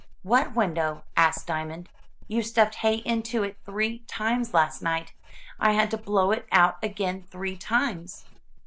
'* "What window?*' asked Diamond. "You stuffed hay into it three times last night. I had to blow it out again three times.